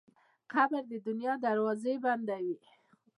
قبر د دنیا دروازې بندوي.